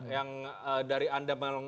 yang dari anda